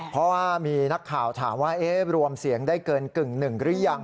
เพราะว่ามีนักข่าวถามว่ารวมเสียงได้เกินกึ่งหนึ่งหรือยัง